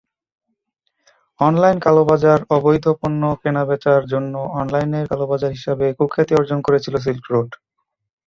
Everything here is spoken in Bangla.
অনলাইন কালোবাজারঅবৈধ পণ্য কেনাবেচার জন্য অনলাইনের কালোবাজার হিসেবে কুখ্যাতি অর্জন করেছিল সিল্ক রোড।